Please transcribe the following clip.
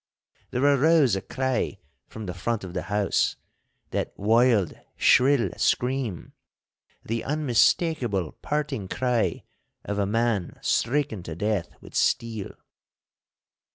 There arose a cry from the front of the house—that wild, shrill scream, the unmistakable parting cry of a man stricken to death with steel.